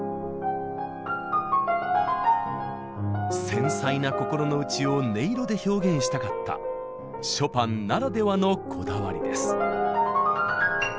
繊細な心の内を音色で表現したかったショパンならではのこだわりです。